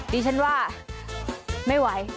ดิฉันว่าไม่ไหว